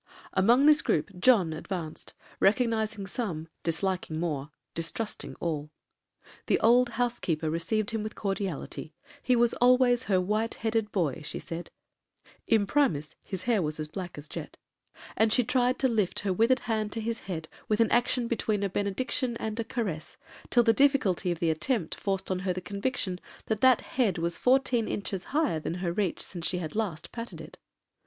Among this groupe John advanced,—recognising some,—disliking more,—distrusting all. The old housekeeper received him with cordiality;—he was always her 'white headed boy,' she said,—(imprimis, his hair was as black as jet), and she tried to lift her withered hand to his head with an action between a benediction and a caress, till the difficulty of the attempt forced on her the conviction that that head was fourteen inches higher than her reach since she had last patted it.